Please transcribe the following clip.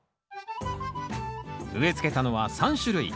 植えつけたのは３種類。